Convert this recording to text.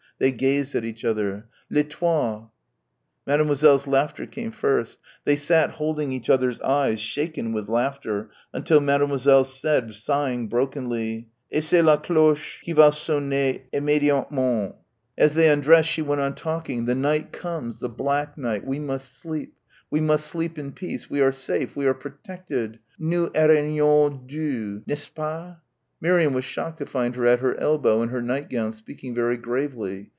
They gazed at each other. "Les toiles ..." Mademoiselle's laughter came first. They sat holding each other's eyes, shaken with laughter, until Mademoiselle said, sighing brokenly, "Et c'est la cloche qui va sonner immédiatement." As they undressed, she went on talking "the night comes ... the black night ... we must sleep ... we must sleep in peace ... we are safe ... we are protected ... nous craignons Dieu, n'est ce pas?" Miriam was shocked to find her at her elbow, in her nightgown, speaking very gravely.